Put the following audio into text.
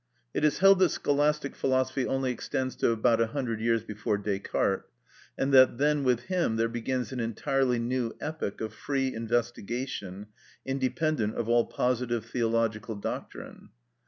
It is held that Scholastic philosophy only extends to about a hundred years before Descartes, and that then with him there begins an entirely new epoch of free investigation independent of all positive theological doctrine.